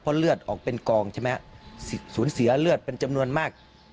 เลือดออกเป็นกองใช่ไหมสูญเสียเลือดเป็นจำนวนมาก